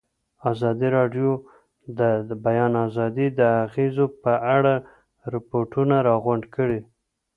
ازادي راډیو د د بیان آزادي د اغېزو په اړه ریپوټونه راغونډ کړي.